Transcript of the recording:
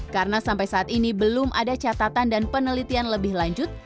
karena sampai saat ini belum ada catatan dan penelitian lebih lanjut